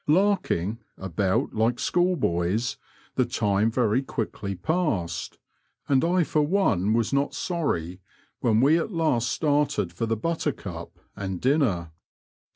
" Larking " about like schoolboys, the time very quickly passed, and I for one was not sorry when we at last started for the Buttercup and dinner.